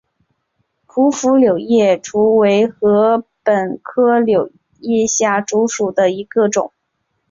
匍匐柳叶箬为禾本科柳叶箬属下的一个种。